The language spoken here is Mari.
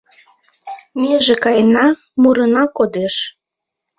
Меже каена — мурына кодеш